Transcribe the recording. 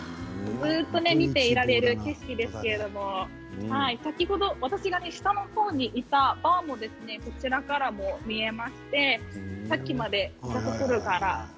ずっと見ていられる景色ですけれども先ほど私が下の方にいたバーもこちらからも見えましてさっきまでいたところから。